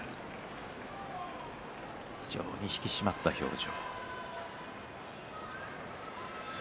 非常に引き締まった表情。